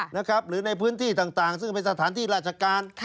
หรือในพื้นที่ต่างซึ่งเป็นสถานที่ราชการ